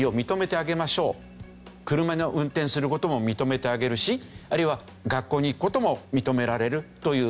車を運転する事も認めてあげるしあるいは学校に行く事も認められるという。